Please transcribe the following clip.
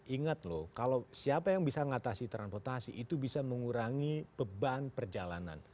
ingat loh kalau siapa yang bisa mengatasi transportasi itu bisa mengurangi beban perjalanan